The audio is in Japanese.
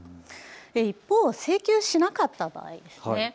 一方、請求しなかった場合です。